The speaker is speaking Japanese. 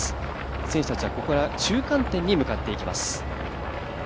選手たちはここから中間点に向かっていきます。